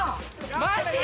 マジ？